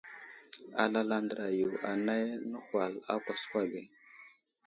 Alal andra yo anay nəhwal a kwaskwa ge.